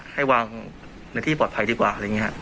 ให้วางในที่ปลอดภัยดีกว่า